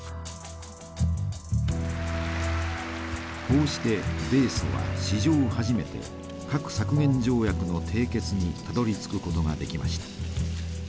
こうして米ソは史上初めて核削減条約の締結にたどりつくことができました。